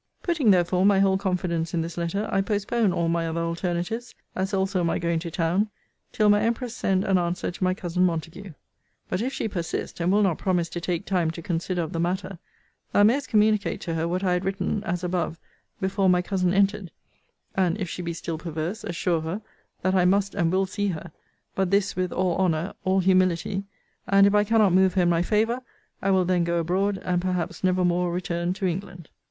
Putting, therefore, my whole confidence in this letter, I postpone all my other alternatives, as also my going to town, till my empress send an answer to my cousin Montague. But if she persist, and will not promise to take time to consider of the matter, thou mayest communicate to her what I had written, as above, before my cousin entered; and, if she be still perverse, assure her, that I must and will see her but this with all honour, all humility: and, if I cannot move her in my favour, I will then go abroad, and perhaps never more return to England.